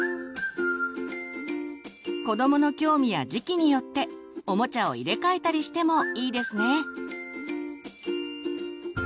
子どもの興味や時期によっておもちゃを入れ替えたりしてもいいですね。